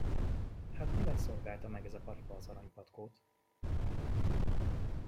Hát mivel szolgálta meg ez a paripa az aranypatkót?